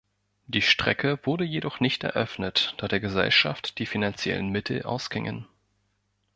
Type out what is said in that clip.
Die Strecke wurde jedoch nicht eröffnet, da der Gesellschaft die finanziellen Mittel ausgingen.